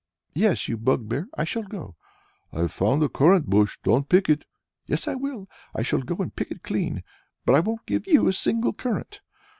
"Yes, you bugbear, I shall go!" "I've found a currant bush; don't pick it." "Yes I will; I shall go and pick it clean; but I won't give you a single currant!"